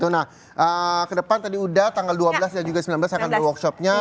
nah ke depan tadi udah tanggal dua belas dan juga sembilan belas akan ada workshopnya